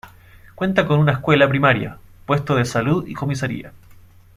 Cuenta con una escuela primaria, puesto de salud y comisaría.